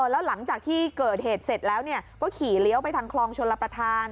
แล้วหลังจากที่เกิดเหตุเสร็จแล้วก็ขี่เลี้ยวไปทางคลองชลประธาน